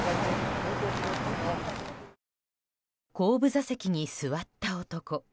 後部座席に座った男。